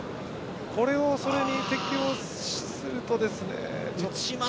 これを、それに適用すると。